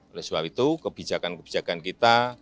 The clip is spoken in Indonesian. oleh sebab itu kebijakan kebijakan kita